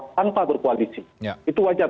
tanpa berkoalisi itu wajar